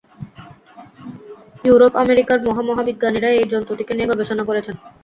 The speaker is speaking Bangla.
ইউরোপ, আমেরিকার মহা মহা বিজ্ঞানীরা এই জন্তুটিকে নিয়ে গবেষণা করেছেন।